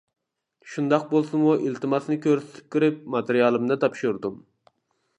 شۇنداق بولسىمۇ ئىلتىماسنى كۆرسىتىپ كىرىپ ماتېرىيالىمنى تاپشۇردۇم.